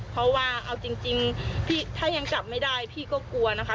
เพราะว่าเอาจริงพี่ถ้ายังจับไม่ได้พี่ก็กลัวนะคะ